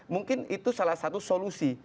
mungkin itu salah satu solusi